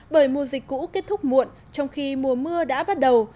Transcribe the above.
bởi mùa dịch cũ kết thúc muộn trong khi mùa mưa đã bắt đầu